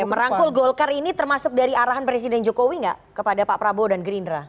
merangkul golkar ini termasuk dari arahan presiden jokowi nggak kepada pak prabowo dan gerindra